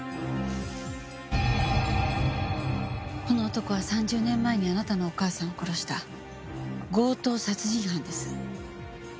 この男は３０年前にあなたのお母さんを殺した強盗殺人犯です。